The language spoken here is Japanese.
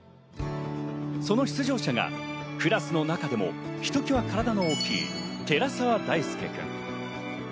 その出場者がクラスの中でもひときわ体の大きい寺沢大介君。